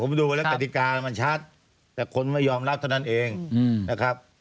ผมดูไปแล้วกติกามันชัดแต่คนไม่ยอมรับเท่านั้นเองนะครับ